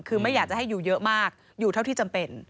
คือไม่อยากจะให้อยู่เยอะมากอยู่เท่าที่จำเป็น